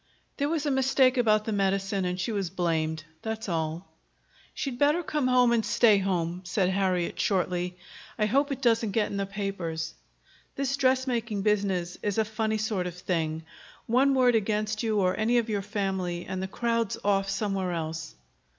"There was a mistake about the medicine, and she was blamed; that's all." "She'd better come home and stay home," said Harriet shortly. "I hope it doesn't get in the papers. This dressmaking business is a funny sort of thing. One word against you or any of your family, and the crowd's off somewhere else."